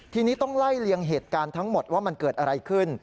ทีนี้ต้องไล่เลียงเหตุการณ์ทั้งหมดว่ามันเกิดอะไรขึ้น